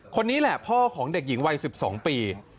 คนนี้แหละพ่อของเด็กหญิงวัย๑๒ปี